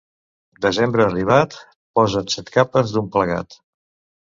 Desembre arribat, posa't set capes d'un plegat.